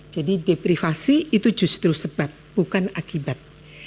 jadi deprivasi itu justru sebab bukan akibat